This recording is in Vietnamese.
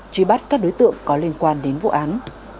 truy bắt các đối tượng có liên quan đến vụ án